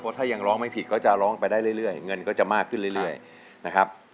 ถ้ายังร้องไม่ผิดก็จะร้องไปได้เรื่อยเงินก็จะมากขึ้นเรื่อยนะครับ